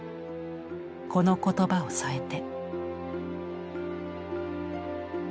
この言葉を添えて。